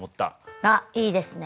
あっいいですね。